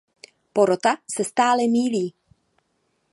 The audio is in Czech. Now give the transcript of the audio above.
Porota se stále mýlí.